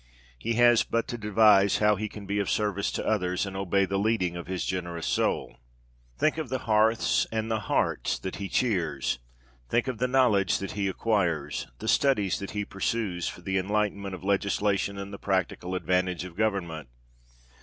He has but to devise how he can be of service to others, and obey the leading of his generous soul. Think of the hearths and the hearts that he cheers! Think of the knowledge that he acquires, the studies that he pursues, for the enlightenment of legislation and the practical advantage of government!